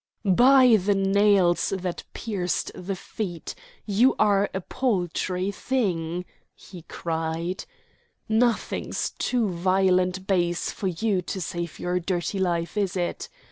"By the nails that pierced the feet, you are a paltry thing!" he cried. "Nothing's too vile and base for you to save your dirty little life; is it?